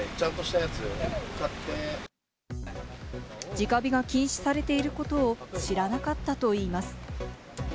直火が禁止されていることを知らなかったといいます。